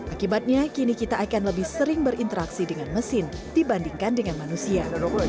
akibatnya kini kita akan lebih sering berinteraksi dengan mesin dibandingkan dengan manusia